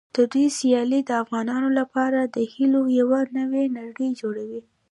د دوی سیالۍ د افغانانو لپاره د هیلو یوه نوې نړۍ جوړوي.